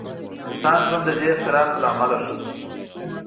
• د انسان ژوند د دې اختراعاتو له امله ښه شو.